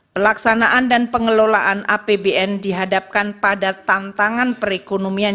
pelaksanaan dan pengelolaan apbn dihadapkan pada tantangan perekonomian